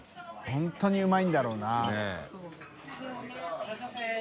本当にうまいんだろうな。